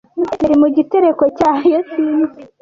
yari mu gitereko cyayo sinzi